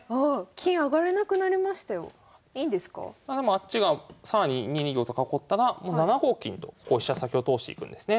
あっちが更に２二玉と囲ったらもう７五金と飛車先を通していくんですね。